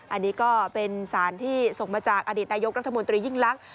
อันนี้ก็เป็นสารที่ส่งมาจากอดีตนายกรัฐมนตรียิ่งลักษณ